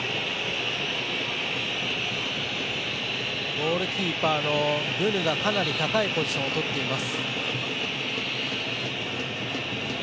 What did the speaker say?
ゴールキーパーのブヌが高いポジションをとっています。